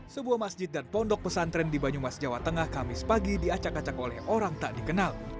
sebuah masjid dan pondok pesantren di banyumas jawa tengah kamis pagi diacak acak oleh orang tak dikenal